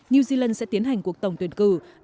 new zealand sẽ tiến hành cuộc tổng tuyển cử